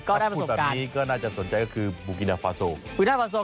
ก็ได้ประสบการณ์ถ้าพูดแบบนี้ก็น่าจะสนใจก็คือ